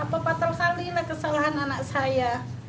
apa patah salinah kesalahan anak saya